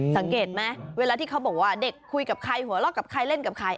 สังเกตไหมเวลาที่เขาบอกว่าเด็กคุยกับใครหัวเราะกับใครเล่นกับใคร